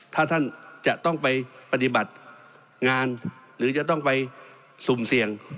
ถ้าท่านจะต้องไปปฏิบัติงานหรือจะต้องไปสุ่มเสี่ยง